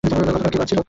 গতকাল কী বার ছিল?